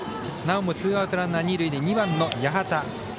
なおもツーアウトランナー、二塁で２番の八幡。